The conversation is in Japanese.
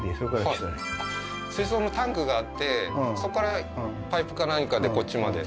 水槽のタンクがあってそこからパイプか何かでこっちまで？